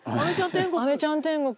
あめちゃん天国！